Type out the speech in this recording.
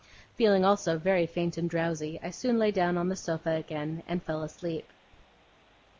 Feeling also very faint and drowsy, I soon lay down on the sofa again and fell asleep.